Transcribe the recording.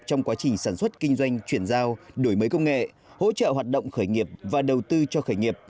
trong quá trình sản xuất kinh doanh chuyển giao đổi mới công nghệ hỗ trợ hoạt động khởi nghiệp và đầu tư cho khởi nghiệp